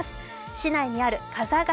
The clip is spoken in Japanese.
市内にある風頭